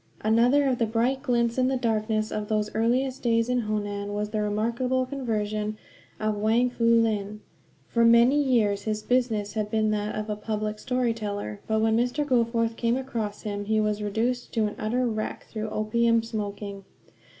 Another of the bright glints, in the darkness of those earliest days in Honan, was the remarkable conversion of Wang Fu Lin. For many years his business had been that of a public story teller; but when Mr. Goforth came across him he was reduced to an utter wreck through opium smoking.